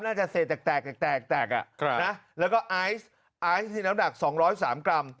น่าจะเศษแตกแตกอ่ะนะแล้วก็ไอซ์ไอซ์ที่น้ำหนัก๒๐๓กรัม